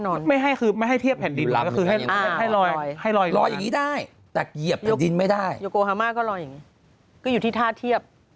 โยโกฮามาก็ลองอย่างนี้ก็อยู่ที่ท่าเทียบ